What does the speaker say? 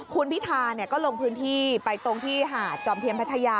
คุณพิธาก็ลงพื้นที่ไปตรงที่หาดจอมเทียมพัทยา